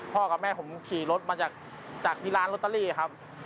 กับแม่ผมขี่รถมาจากที่ร้านลอตเตอรี่ครับ